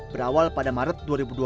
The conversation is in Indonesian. berawal pada maret dua ribu dua puluh